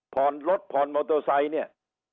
พรรดพรมโมโตไซค์เนี้ย